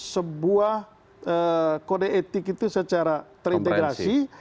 sebuah kode etik itu secara terintegrasi